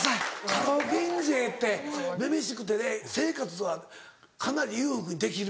カラオケ印税って『女々しくて』で生活はかなり裕福にできるの？